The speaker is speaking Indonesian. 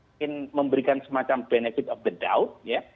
ingin memberikan semacam benefit of the doubt